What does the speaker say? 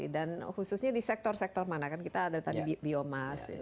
dan khususnya di sektor sektor mana kita ada tadi biomas